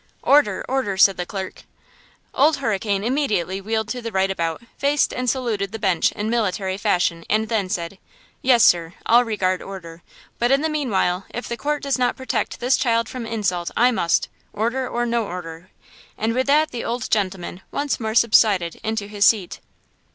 "Order! order!" said the clerk. Old Hurricane immediately wheeled to the right about, faced and saluted the bench in military fashion, and then said: "Yes, sir! I'll regard order! but in the meanwhile, if the court does not protect this child from insult I must, order or no order!" and with that the old gentleman once more subsided into his seat.